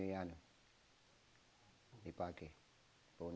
itu dianggap sebagai basing